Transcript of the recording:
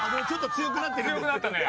強くなったね。